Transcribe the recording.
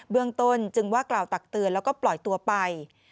เรื่องต้นจึงว่ากล่าวตักเตือนแล้วก็ปล่อยตัวไป